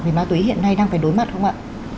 về ma túy hiện nay đang phải đối mặt không ạ